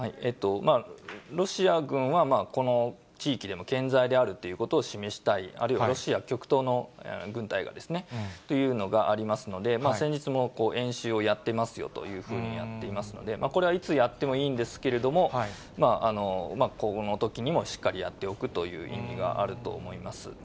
ロシア軍は、この地域でも健在であるということを示したい、あるいはロシア極東の軍隊がですね、というのがありますので、先日も演習をやっていますよというふうにやっていますので、これはいつやってもいいんですけれども、今後のときにもしっかりやっておくという意味があると思います。